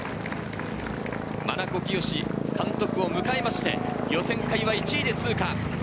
真名子圭監督を迎えて、予選会は１位で通過。